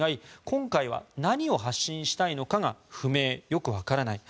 今回は何を発信したいのかが不明よくわからない。